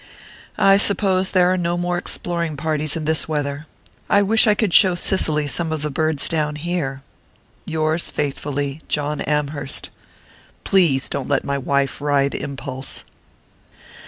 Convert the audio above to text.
"I suppose there are no more exploring parties in this weather. I wish I could show Cicely some of the birds down here. "Yours faithfully, "John Amherst. "Please don't let my wife ride Impulse."